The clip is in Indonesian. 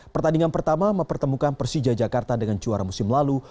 pertandingan pertama mempertemukan persija jakarta dengan juara musim lalu